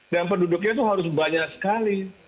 dan penduduknya itu harus banyak sekali